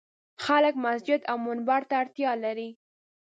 خلک مسجد او منبر ته اړتیا لري.